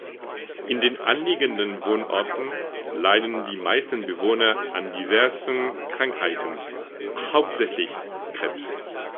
In den anliegenden Wohnorten leiden die meisten Bewohner an diversen Krankheiten, hauptsächlich Krebs.